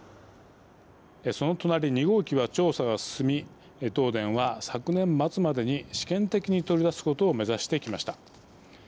その隣２号機は調査が進み東電は昨年末までに試験的に取り出すことを目指してきました。